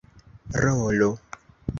rolo